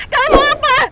kalian mau apa